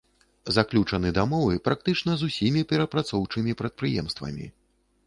Заключаны дамовы практычна з усімі перапрацоўчымі прадпрыемствамі.